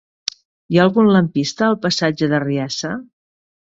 Hi ha algun lampista al passatge d'Arriassa?